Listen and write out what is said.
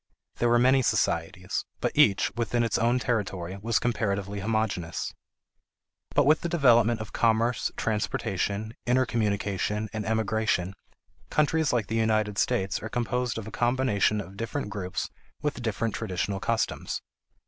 There were many societies, but each, within its own territory, was comparatively homogeneous. But with the development of commerce, transportation, intercommunication, and emigration, countries like the United States are composed of a combination of different groups with different traditional customs.